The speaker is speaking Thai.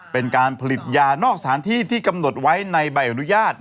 เป็นการผลิตยานอกสถานที่ที่กำหนดไว้ในใบอนุญาต